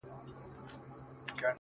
يوازې سوی يم يادونه د هغې نه راځي